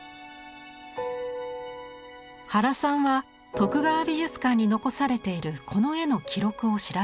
原さんは徳川美術館に残されているこの絵の記録を調べました。